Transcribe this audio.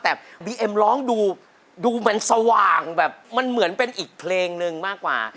แต่บีเอ็มร้องดูเหมือนสว่างแบบมันเหมือนเป็นอีกเพลงนึงมากกว่า